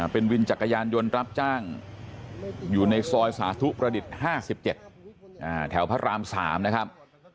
เป็นวินจักรยานยนต์รับจ้างอยู่ในซอยสาธุประดิษฐ์๕๗แถวพระราม๓นะครับ